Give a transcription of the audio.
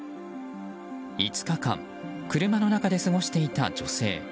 ５日間車の中で過ごしていた女性。